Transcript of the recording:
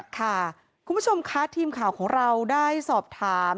คุณผู้ชมค่ะทีมข่าวของเราได้สอบถาม